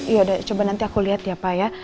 yaudah coba nanti aku liat ya pak ya